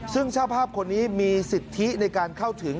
ซึ่งเจ้าภาพคนนี้มีสิทธิในการเข้าถึง